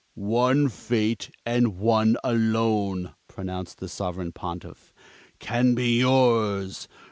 "One fate, and one alone," pronounced the Sovereign Pontiff, "can be yours.